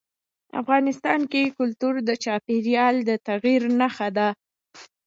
افغانستان کې کلتور د چاپېریال د تغیر نښه ده.